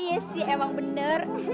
iya sih emang bener